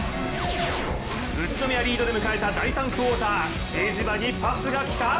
宇都宮リードで迎えた第３クオーター比江島にパスがきた、